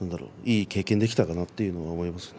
いい経験できたかなと思います。